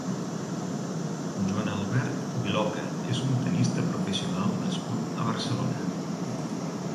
Juan Albert Viloca és un tennista professional nascut a Barcelona.